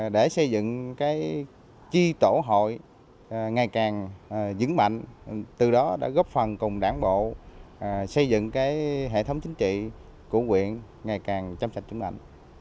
để xây dựng chi tổ hội ngày càng dững mạnh từ đó đã góp phần cùng đảng bộ xây dựng hệ thống chính trị của quyện ngày càng chăm sạch vững mạnh